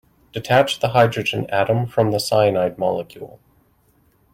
Detach the hydrogen atom from the cyanide molecule.